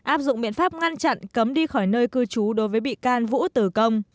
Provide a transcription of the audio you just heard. áp dụng biện pháp ngăn chặn cấm đi khỏi nơi cư trú đối với bị can vũ tử công